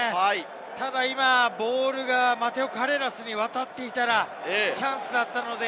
ただボールがマテオ・カレーラスに渡っていたらチャンスだったので、